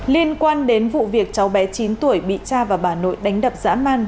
liên quan đến vụ việc cháu bé chín tuổi bị cha và bà nội đánh đập dã man